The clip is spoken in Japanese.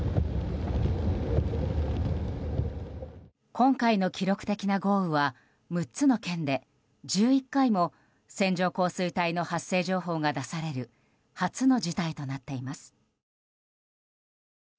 今回の記録的な豪雨は６つの県で１１回も線状降水帯の発生情報が出される初の事態となっています。